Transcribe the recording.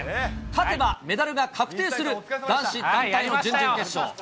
勝てばメダルが確定する男子団体の準々決勝。